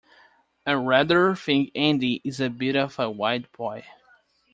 I rather think Andy is a bit of a wide boy.